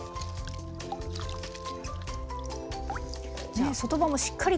ねっ外葉もしっかりとね